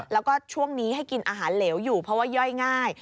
แล้วก็ช่วงนี้ให้กินอาหารเหลวอยู่เพราะว่าย่อยง่าย